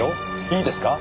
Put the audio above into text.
いいですか？